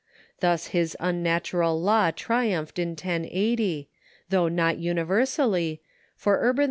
Thus his unnatural law triumphed in 1080, though not universally, for Urban II.